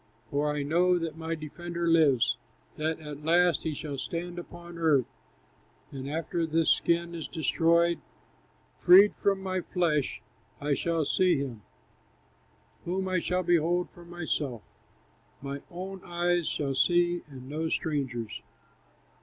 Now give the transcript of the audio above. "For I know that my Defender lives, That at last he shall stand upon earth; And after this skin is destroyed. Freed from my flesh, I shall see him, Whom I shall behold for myself; My own eyes shall see, and no stranger's."